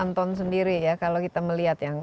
anton sendiri ya kalau kita melihat yang